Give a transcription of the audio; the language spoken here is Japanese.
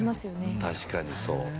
確かにそう。